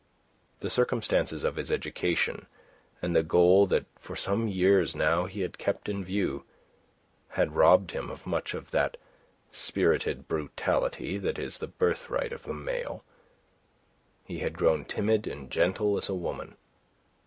The circumstances of his education, and the goal that for some years now he had kept in view, had robbed him of much of that spirited brutality that is the birthright of the male. He had grown timid and gentle as a woman.